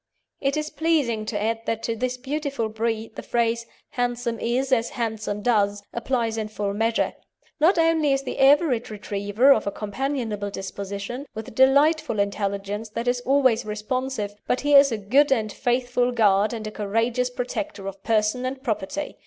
It is pleasing to add that to this beautiful breed the phrase "handsome is as handsome does" applies in full measure. Not only is the average Retriever of a companionable disposition, with delightful intelligence that is always responsive, but he is a good and faithful guard and a courageous protector of person and property.